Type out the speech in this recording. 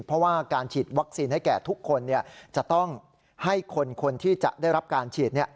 เพราะว่าการฉีดวัคซีนให้แก่ทุกคนจะต้องให้คนที่จะได้รับการฉีด